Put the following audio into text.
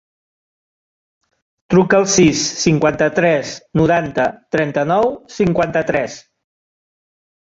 Truca al sis, cinquanta-tres, noranta, trenta-nou, cinquanta-tres.